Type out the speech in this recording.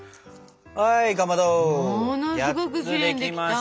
はいかまど８つできましたね。